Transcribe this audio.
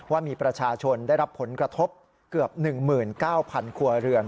ว่ามีประชาชนได้รับผลกระทบเกือบ๑๙๐๐ครัวเรือน